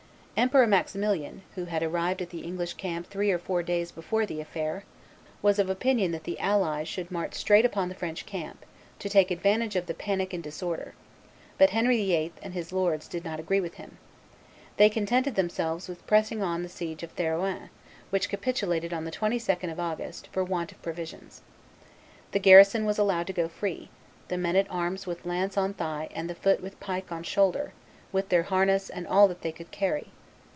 Emperor Maximilian, who had arrived at the English camp three or four days before the affair, was of opinion that the allies should march straight upon the French camp, to take advantage of the panic and disorder; but "Henry VIII. and his lords did not agree with him." They contented themselves with pressing on the siege of Therouanne, which capitulated on the 22d of August, for want of provisions. The garrison was allowed to go free, the men at arms with lance on thigh and the foot with pike on shoulder, with their harness and all that they could carry."